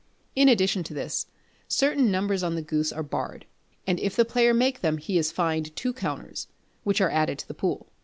In addition to this, certain numbers on the goose are barred; and if the player make them he is fined two counters, which are added to the pool.